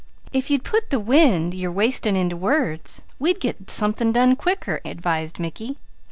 "If you'd put the wind you're wastin' into words, we'd get something done quicker," advised Mickey.